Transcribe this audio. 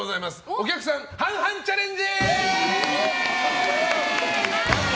お客さん半々チャレンジ！